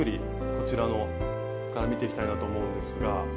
こちらから見ていきたいなと思うんですが。